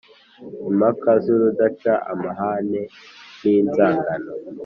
impaka z’urudaca, amahane n’inzangano